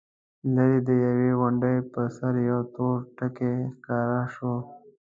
ليرې د يوې غونډۍ پر سر يو تور ټکی ښکاره شو.